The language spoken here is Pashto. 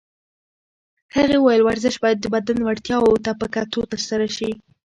هغې وویل ورزش باید د بدن وړتیاوو ته په کتو ترسره شي.